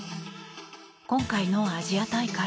今回のアジア大会